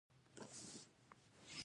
زغال د افغانستان د طبیعت برخه ده.